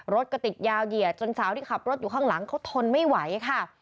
รถก็ติดยาวเหยียดจนสาวที่ขับรถอยู่ข้างหลังเขาทนไม่ไหวค่ะ